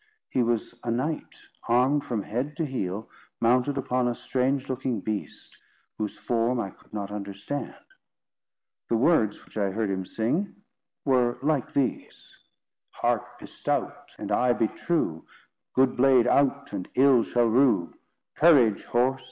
He was a knight, armed from head to heel, mounted upon a strange looking beast, whose form I could not understand. The words which I heard him sing were like these: Heart be stout, And eye be true; Good blade out! And ill shall rue. Courage, horse!